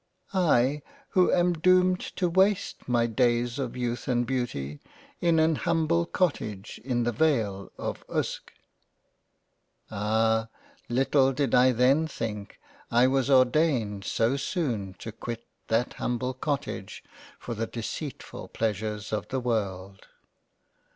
I who am doomed to waste my Days of Youth and Beauty in an humble Cottage in the Vale of Uske." 7 y g JANE AUSTEN Ah ! little did I then think I was ordained so soon to quit that humble Cottage for the Deceitfull Pleasures of the World.